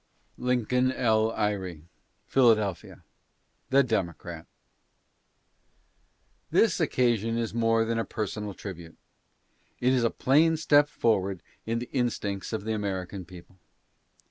LINCOLN L. EYRE: Philadelphia. THE DEMOCRAT. This occasion is more than a personal tribute. It is a plain step forward in the instincts of the American people.